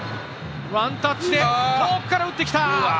ワンタッチで遠くから打ってきた！